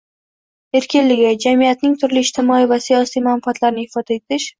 erkinligi, jamiyatning turli ijtimoiy va siyosiy manfaatlarini ifoda etish